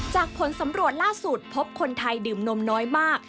ผลสำรวจล่าสุดพบคนไทยดื่มนมน้อยมาก